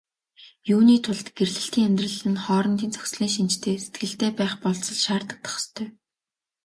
Юуны тулд гэрлэлтийн амьдрал нь хоорондын зохицлын шинжтэй сэтгэлтэй байх болзол шаардагдах ёстой.